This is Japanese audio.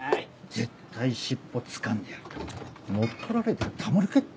絶対尻尾つかんでやるんだ乗っ取られてたまるかいって。